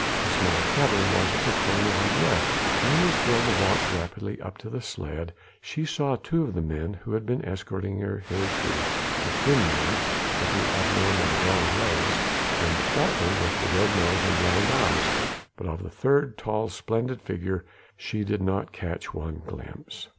The small tavern was at the corner on the left, and as Gilda walked rapidly up to the sledge, she saw two of the men who had been escorting her hitherto, the thin man with the abnormally long legs, and the fat one with the red nose and round eyes: but of the third tall, splendid figure she did not catch one glimpse.